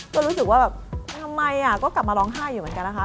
ก็รู้สึกว่าแบบทำไมก็กลับมาร้องไห้อยู่เหมือนกันนะคะ